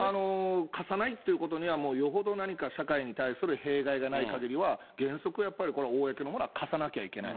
貸さないっていうことには、よほど何か社会に対する弊害がないかぎりは、原則やっぱり、これは公のものは貸さなきゃいけない。